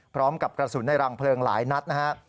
พร้อมกับกระสุนในรังเพลิงหลายนัดนะฮะ